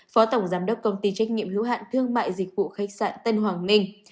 phó tổng giám đốc công ty trách nhiệm hữu hạn thương mại dịch vụ khách sạn tân hoàng minh